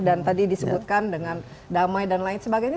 dan tadi disebutkan dengan damai dan lain sebagainya